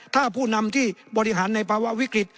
ถ้าผู้นำที่บริหารในภาวะวิกฤต